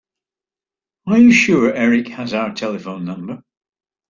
Are you sure Erik has our telephone number?